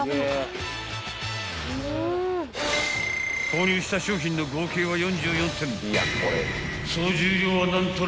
［購入した商品の合計は４４点］